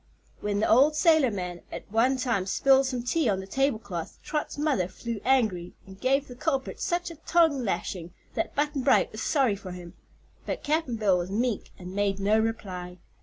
When the old sailorman at one time spilled some tea on the tablecloth Trot's mother flew angry and gave the culprit such a tongue lashing that Button Bright was sorry for him. But Cap'n Bill was meek and made no reply.